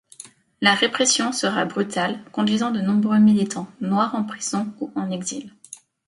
La répression sera brutale conduisant de nombreux militants noirs en prison ou en exil.